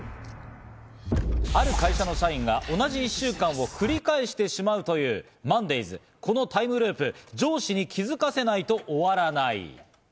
ある会社の社員が同じ１週間を繰り返してしまうという『ＭＯＮＤＡＹＳ／このタイムループ、上司に気づかせないと終わらない』。